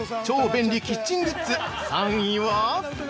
超便利キッチングッズ３位は。